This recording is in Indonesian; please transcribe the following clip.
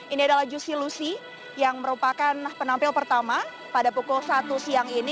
ini adalah juicy lucy yang merupakan penampil pertama pada pukul satu siang ini